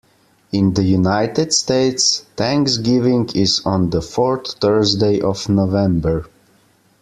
In the United States, Thanksgiving is on the fourth Thursday of November.